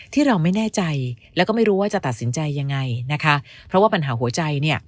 ที่เราไม่แน่ใจแล้วก็ไม่รู้ว่าจะตัดสินใจยังไงนะคะเพราะว่าปัญหาหัวใจเนี่ย